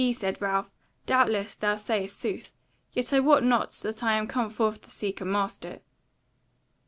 "Yea," said Ralph, "doubtless thou sayest sooth; yet I wot not that I am come forth to seek a master."